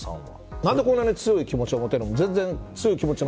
なんでこんなに強い気持ちを持てるのか。